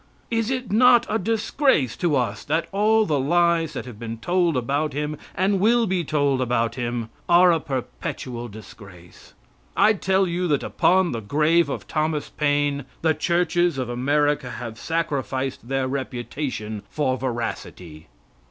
Is it not a disgrace to us that all the lies that have been told about him, and will be told about him, are a perpetual disgrace? I tell you that upon the grave of Thomas Paine the churches of America have sacrificed their reputation for veracity.